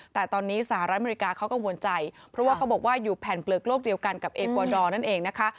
แต่ตอนนี้สหรัฐอเมริกาเขากังวลใจเพราะว่าเขาบอกว่าอยู่แผ่นเปลือกโลกเดียวกันกับเอกวาดอร์นั่นเองนะคะ